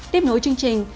tiếp nối chương trình